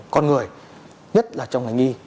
con người nhất là trong ngành nghi